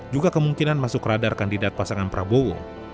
juga kemungkinan masuk radar kandidat pasangan prabowo